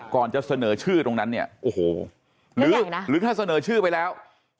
ก่อนจะเสนอชื่อตรงนั้นเนี่ยโอ้โหหรือถ้าเสนอชื่อไปแล้ว